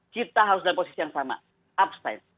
kita harus dalam posisi yang sama upside